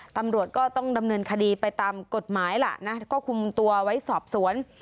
ตำรวจก็ต้องดำเนินคดีไปตามกฎหมายล่ะนะก็คุมตัวไว้สอบสวน